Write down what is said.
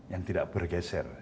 yang tidak bergeser